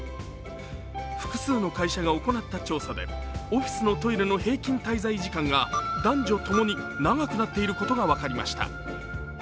複数の会社が行った調査でオフィスのトイレの平均滞在時間が男女ともに長くなっていることが分かりました。